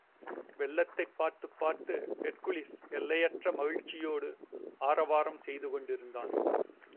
வெள்ளத்தைப் பார்த்துப் பார்த்து, ஹெர்க்குலிஸ் எல்லையற்ற மகிழ்ச்சியோடு ஆரவாரம் செய்துகொண்டிருந்தான்.